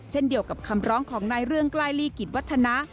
เช่นเดียวกับคำร้องของนายเรื่องใกล้ลีกิจวัฒนะ